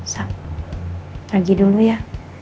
sup pagi dulu ya